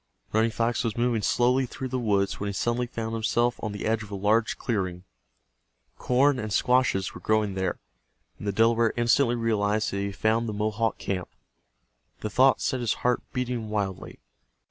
Running Fox was moving slowly through the woods when he suddenly found himself on the edge of a large clearing. Corn and squashes were growing there, and the Delaware instantly realized that he had found the Mohawk camp. The thought set his heart beating wildly.